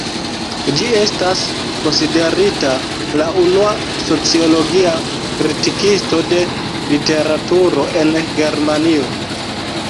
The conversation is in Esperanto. Ĝi estas konsiderita la unua "sociologia" kritikisto de literaturo en Germanio.